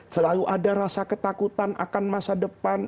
selalu ada rasa ketakutan akan masa depan